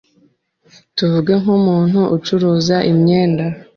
Tuvuge nk’umuntu ucuruza imyenda.